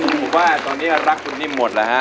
ทุกคนก็มึงว่าตอนนี้เราก็รักคุณนิ้มหมดละฮะ